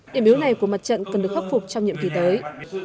điểm yếu này của mặt trận cần được khắc phục trong nhiệm kỳ tới